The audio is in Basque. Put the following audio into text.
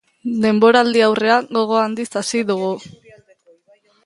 Denboraldiaurrea gogo handiz hasi dugu.